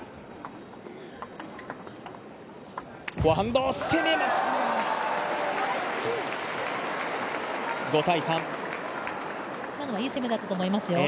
フォアハンド、攻めましたが今のはいい攻めだったと思いますよ。